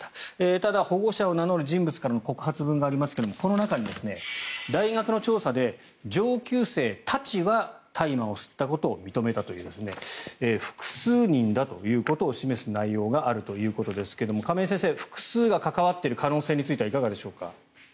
ただ、保護者を名乗る人物からの告発文がありますがこの中に、大学の調査で上級生たちは大麻を吸ったことを認めたという複数人だということを示す内容があるということですが亀井先生、複数が関わっている可能性についてはいかがでしょうか。